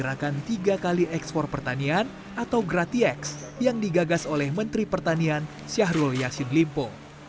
gerakan tiga kali ekspor pertanian atau gratiex yang digagas oleh menteri pertanian syahrul yassin limpo